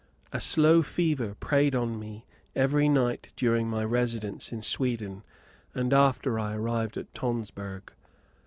A slow fever preyed on me every night during my residence in Sweden, and after I arrived at Tonsberg.